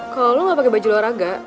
kalau lo nggak pake baju olahraga